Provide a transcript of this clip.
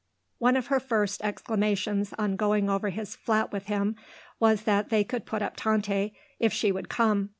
One of her first exclamations on going over his flat with him was that they could put up Tante, if she would come.